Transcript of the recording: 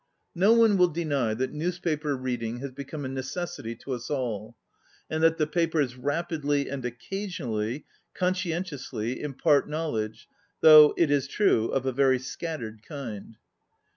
No one will deny that newspaper reading has become a necessity to us all, and that the papers rapidly, and (occasionally) conscientiously, impart knowledge, though, it is true, of a very scattered kind.